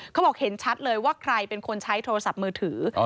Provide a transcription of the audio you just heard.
เขาบอกเห็นชัดเลยว่าใครเป็นคนใช้โทรศัพท์มือถือ